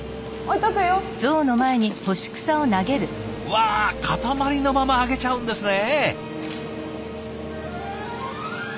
わあ塊のままあげちゃうんですね。